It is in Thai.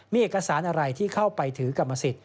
มีเอกสารอะไรที่เข้าไปถือกรรมสิทธิ